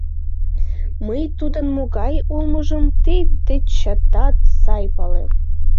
Мый тудын могай улмыжым тый дечетат сай палем.